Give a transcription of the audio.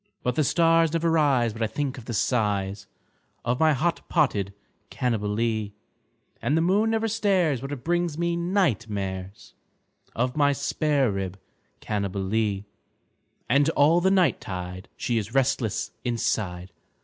But the stars never rise but I think of the size Of my hot potted Cannibalee, And the moon never stares but it brings me night mares Of my spare rib Cannibalee; And all the night tide she is restless inside.